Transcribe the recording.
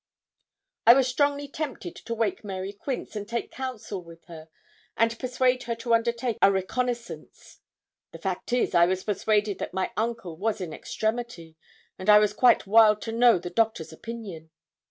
I was strongly tempted to wake Mary Quince, and take counsel with her, and persuade her to undertake a reconnoissance. The fact is, I was persuaded that my uncle was in extremity, and I was quite wild to know the doctor's opinion.